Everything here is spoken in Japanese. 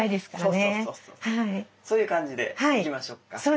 そういう感じでいきましょうか。